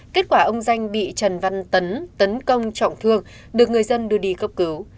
kết quả ông danh bị trần văn tấn công trọng thương được người dân đưa đi cấp cứu